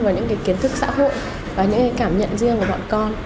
vào những kiến thức xã hội và những cảm nhận riêng của bọn con